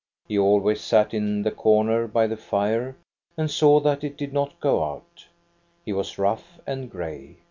He always sat in the corner by the fire and saw that it did not go out. He was rough and gray.